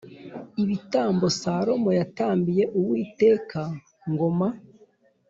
Ibitambo Salomo yatambiye Uwiteka ( Ngoma -)